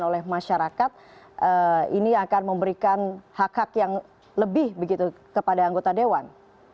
oleh masyarakat ini akan memberikan hak hak yang lebih begitu kepada anggota dewan